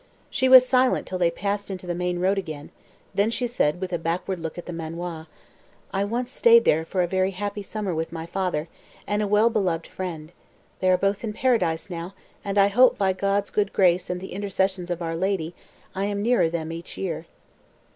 She was silent till they passed into the main road again. Then she said, with a backward look at the manoir "I once stayed there for a very happy summer with my father, and a well beloved friend. They are both in Paradise now, and I hope, by God's good grace and the intercessions of our Lady, I am nearer them each year."